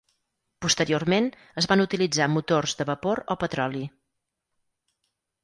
Posteriorment, es van utilitzar motors de vapor o petroli.